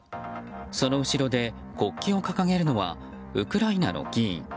その後ろで国旗を掲げるのはウクライナの議員。